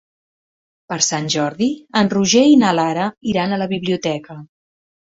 Per Sant Jordi en Roger i na Lara iran a la biblioteca.